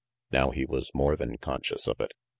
Now, he was more than conscious of it.